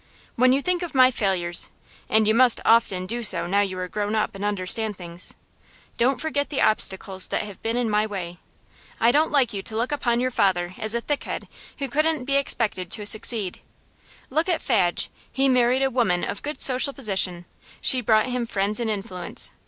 'When you think of my failures and you must often do so now you are grown up and understand things don't forget the obstacles that have been in my way. I don't like you to look upon your father as a thickhead who couldn't be expected to succeed. Look at Fadge. He married a woman of good social position; she brought him friends and influence.